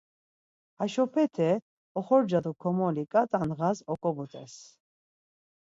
Haşopete oxorca do komoli ǩat̆a ndğas oǩoburtez.